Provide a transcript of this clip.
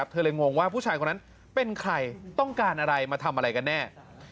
เธอเลยงงว่าผู้ชายคนนั้นเป็นใครต้องการอะไรมาทำอะไรกันแน่